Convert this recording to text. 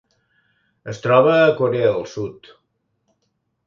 Es troba a Corea del Sud.